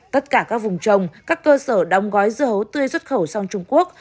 tất cả các vùng trồng các cơ sở đông gói dưa hấu tươi xuất khẩu sang trung quốc